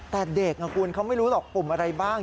แต่เด็กนะคุณเขาไม่รู้หรอกปุ่มอะไรบ้าง